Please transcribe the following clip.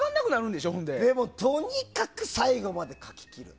でも、とにかく最後まで書ききる。